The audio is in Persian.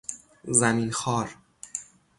زمین خوار